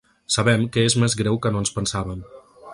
Sabem que és més greu que no ens pensàvem.